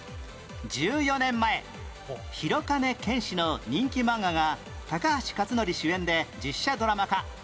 １４年前弘兼憲史の人気漫画が高橋克典主演で実写ドラマ化